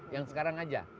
yang sekarang aja